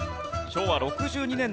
昭和６２年。